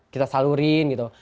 kita salurin gitu